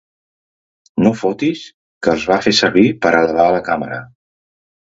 No fotis que els va fer servir per elevar la càmera?